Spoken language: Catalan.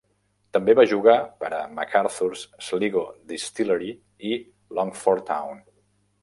També va jugar per a McArthurs, Sligo Distillery i Longford Town.